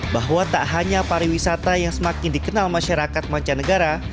bahwa tak hanya pariwisata yang semakin dikenal masyarakat mancanegara